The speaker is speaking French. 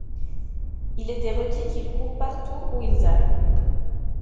Il était requis qu'ils courent partout où ils allaient.